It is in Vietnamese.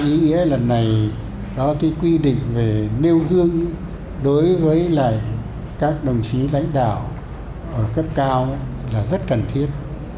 thật nghĩa là lần này có cái quy định về nêu gương đối với các đồng chí lãnh đạo ở cấp cao là rất cần thiết